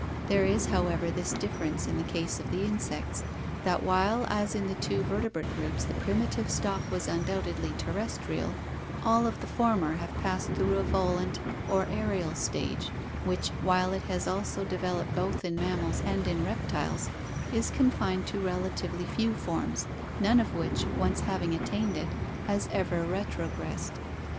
There is, however, this difference in the case of the insects, that while INSECTS 443 as in the two vertebrate groups the primitive stock was undoubt edly terrestrial, all of the former have passed through a volant or aerial stage, which, while it has also developed both in mammals and in reptiles, is confined to relatively few forms, none of which, once having attained it, has ever retrogressed.